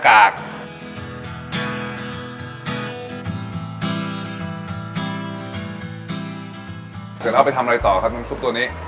ครับอาวิทยาวเราเอาไปทำอะไรต่อครับถึงซุปตัวนี้